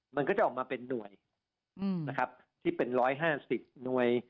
มันก็จะออกมาเป็นหน่วยนะครับที่เป็น๑๕๐หน่วย